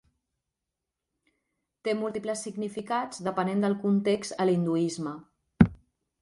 Té múltiples significats depenent del context a l'hinduisme.